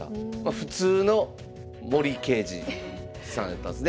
普通の森二さんやったんですね。